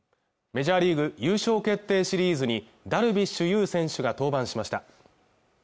メジャーリーグ優勝決定シリーズにダルビッシュ有選手が登板しました